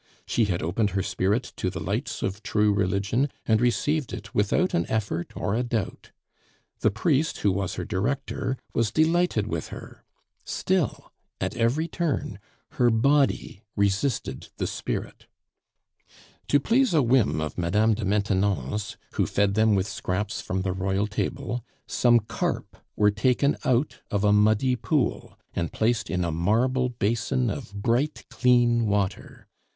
She had opened her spirit to the lights of true religion, and received it without an effort or a doubt. The priest who was her director was delighted with her. Still, at every turn her body resisted the spirit. To please a whim of Madame de Maintenon's, who fed them with scraps from the royal table, some carp were taken out of a muddy pool and placed in a marble basin of bright, clean water.